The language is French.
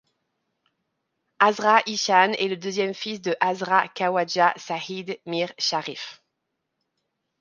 Hazrat Ishaan est le deuxième fils de Hazrat Khwaja Sayyid Mir Sharif.